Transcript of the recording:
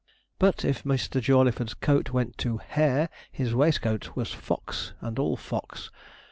But if Mr. Jawleyford's coat went to 'hare,' his waistcoat was fox and all 'fox.'